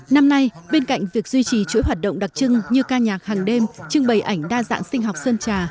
năm nay bên cạnh việc duy trì chuỗi hoạt động đặc trưng như ca nhạc hàng đêm trưng bày ảnh đa dạng sinh học sơn trà